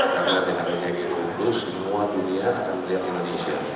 karena dengan b dua puluh semua dunia akan melihat indonesia